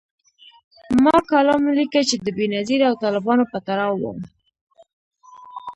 ما کالم ولیکه چي د بېنظیر او طالبانو په تړاو و